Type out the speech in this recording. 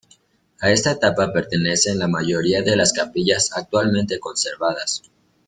A esta etapa pertenecen la mayoría de las Capillas actualmente conservadas.